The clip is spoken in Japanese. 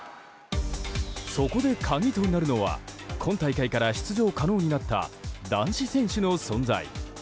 そこで鍵となるのは今大会から出場可能になった男子選手の存在。